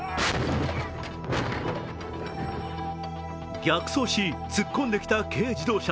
逆走し、突っ込んできた軽自動車。